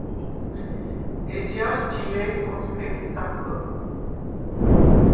ეჯჲარს ჩი ლე̄თ ხოთფენიხ დაჴჷლ.